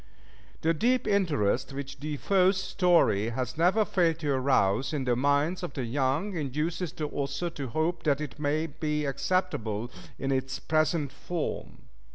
The deep interest which De Foe's story has never failed to arouse in the minds of the young, induces the author to hope that it may be acceptable in its present form.